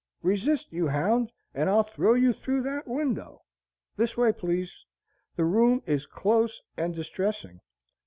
Resist, you hound, and I'll throw you through that window. This way, please; the room is close and distressing."